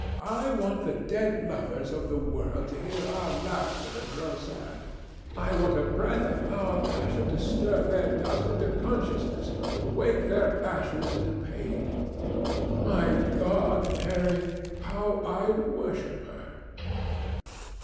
I want the dead lovers of the world to hear our laughter and grow sad. I want a breath of our passion to stir their dust into consciousness, to wake their ashes into pain. My God, Harry, how I worship her!"